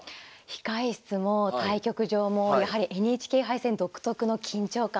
控え室も対局場もやはりＮＨＫ杯戦独特の緊張感がありますね。